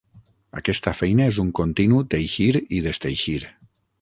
Aquesta feina és un continu teixir i desteixir.